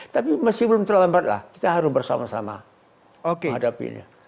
tapi masih belum terlambat kita harus bersama sama menghadapi ini